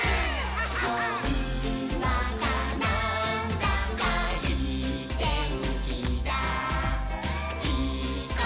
「ほんわかなんだかいいてんきだいいことありそうだ！」